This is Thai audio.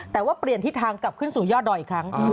แต่ว่าเปลี่ยนทิศทางกลับขึ้นสู่ยอดดอยอีกครั้ง